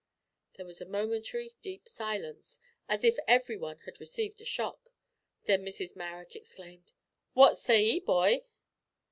There was a momentary deep silence, as if every one had received a shock; then Mrs Marrot exclaimed "What say 'ee, boy?"